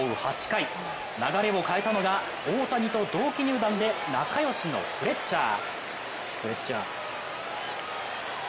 ８回流れを変えたのが大谷と同期入団で仲よしのフレッチャー。